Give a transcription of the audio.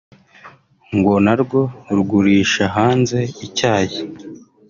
ngo narwo rugurisha hanze icyayi